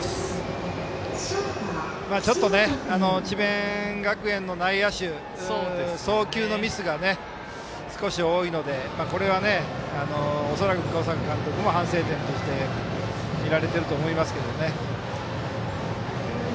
ちょっと智弁学園の内野手送球のミスが少し多いのでこれは恐らく、小坂監督も反省点として見られていると思います。